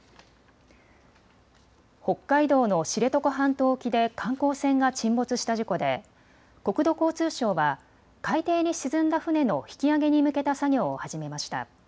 北海道の知床半島沖で観光船が沈没した事故で国土交通省は海底に沈んだ船の引き揚げに向けた作業を始めました。